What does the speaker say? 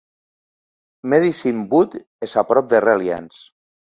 Medicine Butte és a prop de Reliance.